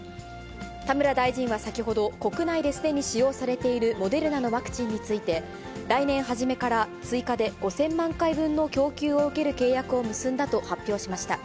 田村大臣は先ほど、国内ですでに使用されているモデルナのワクチンについて、来年初めから追加で５０００万回分の供給を受ける契約を結んだと発表しました。